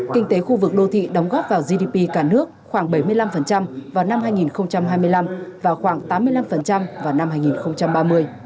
kinh tế khu vực đô thị đóng góp vào gdp cả nước khoảng bảy mươi năm vào năm hai nghìn hai mươi năm và khoảng tám mươi năm vào năm hai nghìn ba mươi